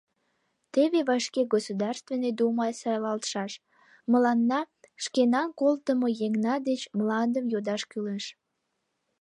Теве вашке Государственный дума сайлалтшаш, мыланна шкенан колтымо еҥна деч мландым йодаш кӱлеш.